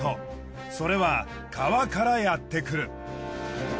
それは川からやってくる。